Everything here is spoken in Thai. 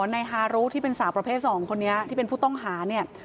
นายฮารุที่เป็นสาวประเภท๒คนนี้ที่เป็นผู้ต้องหาเนี่ย